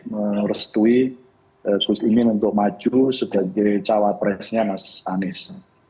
merestui gus imin untuk maju sebagai cawapresnya mas anies